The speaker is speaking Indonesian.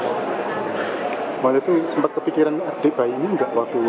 waktu itu sempat kepikiran adik bayi nggak wabuh